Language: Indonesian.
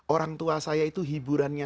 orang tua saya itu hiburannya